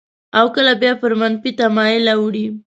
او کله بیا پر منفي تمایل اوړي.